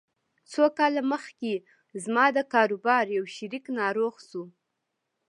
څو کاله مخکې زما د کاروبار يو شريک ناروغ شو.